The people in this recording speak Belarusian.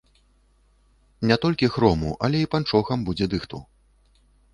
Не толькі хрому, але і панчохам будзе дыхту.